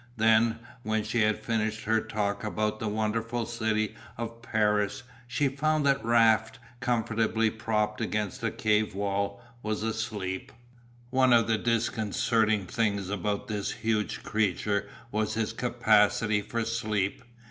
Then, when she had finished her talk about the wonderful city of Paris, she found that Raft, comfortably propped against the cave wall, was asleep. One of the disconcerting things about this huge creature was his capacity for sleep.